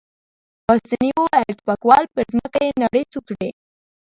پاسیني وویل: ټوپکوال، پر مځکه يې ناړې تو کړې.